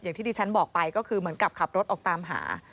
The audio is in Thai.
ที่ที่ฉันบอกไปก็คือเหมือนกับขับรถออกตามหา